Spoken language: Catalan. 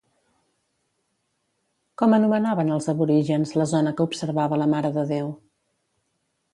Com anomenaven els aborígens la zona que observava la Mare de Déu?